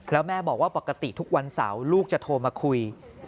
แล้วแม่บอกว่าปกติทุกวันเสาร์ลูกจะโทรมาคุย